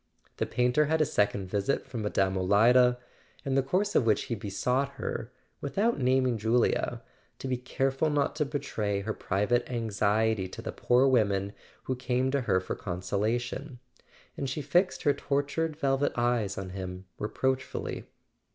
The painter had a second visit from Mme. Olida, in the course of which he besought her (without [ 392 ] A SON AT THE FRONT naming Julia) to be careful not to betray her private anxiety to the poor women who came to her for con¬ solation; and she fixed her tortured velvet eyes on him reproachfully.